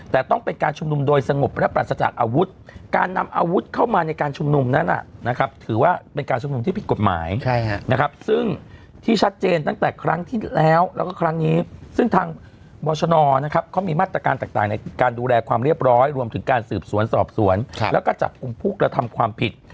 ซึ่งทางบรรชนอนะครับเขามีมาตรการต่างในการดูแลความเรียบร้อยรวมถึงการสืบสวนสอบสวนแล้วก็จากกลุ่มผู้กระทำความผิด